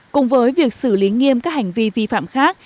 cùng với việc xử lý nghiêm các hành vi vi phạm khác